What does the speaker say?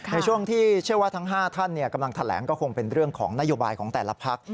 ในช่วงที่เชื่อว่าทั้ง๕ท่านกำลังแถลงก็คงเป็นเรื่องของนโยบายของแต่ละพัก